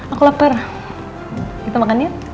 aku lapar kita makan yuk